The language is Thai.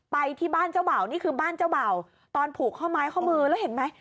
ไปที่บ้านเจ้าเบ่านี่คือบ้านเจ้าเบ่าตอนผูกข้อไม้ข้อมือแล้วเห็นไหม